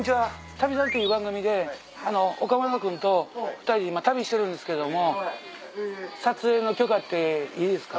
『旅猿』という番組で岡村君と２人今旅してるんですけども撮影の許可っていいですか？